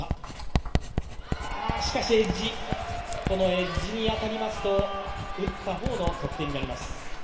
エッジに当たりますと打った方の得点になります。